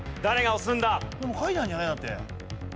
でも書いてあるんじゃない？だって。